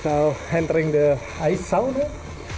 saya akan mencoba sauna air